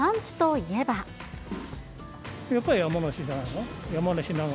やっぱり山梨じゃないの。